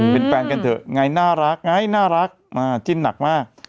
เป็นแฟนกันเถอะไงน่ารักไงน่ารักจิ้นหนักมาก